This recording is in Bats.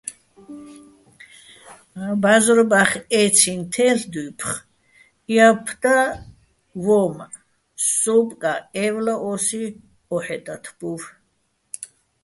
ბა́ზრობახ ე́ცინო̆ თე́ლ'ე̆ დუ́ფხო̆, იაფუხ და ვო́მაჸ, სოუბო̆-კაჸ ე́ვლა ო́სი ო́ჰეჸ ტათბუვ.